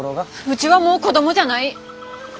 うちはもう子供じゃない！